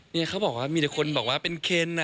เนี่ยเขาบอกว่ามีแต่คนบอกว่าเป็นเคน